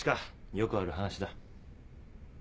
よくある話だ。